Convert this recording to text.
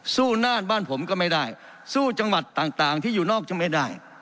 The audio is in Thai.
น่านบ้านผมก็ไม่ได้สู้จังหวัดต่างที่อยู่นอกจะไม่ได้